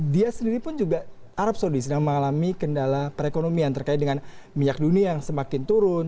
dia sendiri pun juga arab saudi sedang mengalami kendala perekonomian terkait dengan minyak dunia yang semakin turun